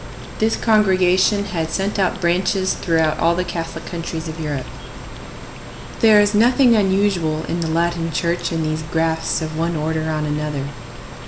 This congregation had sent out branches throughout all the Catholic countries of Europe. There is nothing unusual in the Latin Church in these grafts of one order on another.